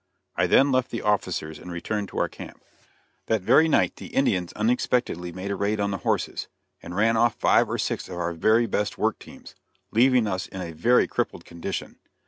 I then left the officers and returned to our camp. That very night the Indians unexpectedly made a raid on the horses, and ran off five or six of our very best work teams, leaving us in a very crippled condition.